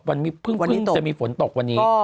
วันนี้เพิ่งจะมีฝนตกวันนี้